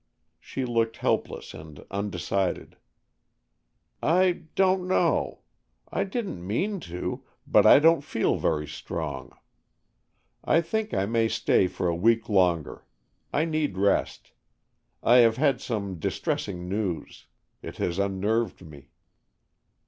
She looked helpless and undecided. "I don't know. I didn't mean to, but I don't feel very strong. I think I may stay for a week longer. I need rest. I have had some distressing news. It has unnerved me."